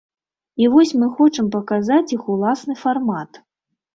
І вось мы хочам паказаць іх уласны фармат.